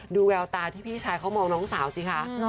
แววตาที่พี่ชายเขามองน้องสาวสิคะ